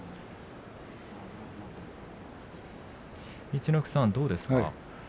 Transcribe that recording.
陸奥さん、どうですか？